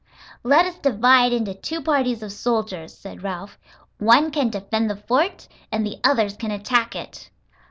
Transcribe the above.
"Let us divide into two parties of soldiers," said Ralph. "One can defend the fort and the others can attack it."